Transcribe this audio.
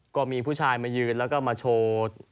ก็มีผู้ชายมายืนแล้วก็มาโชว์